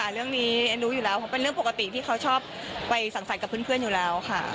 เรื่องนี้รู้อยู่แล้วเพราะเป็นเรื่องปกติที่เขาชอบไปสั่งสรรค์กับเพื่อนอยู่แล้วค่ะ